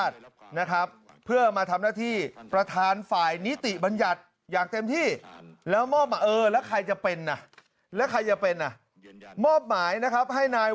ถูกต้องครับ